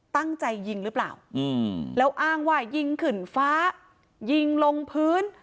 ตั้งใจยิงหรือเปล่าแล้วอ้างว่ายิงขึ้นฟ้ายิงลงพื้น